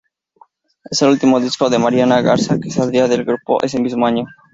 Es el último disco de Mariana Garza, que saldría del grupo ese mismo año.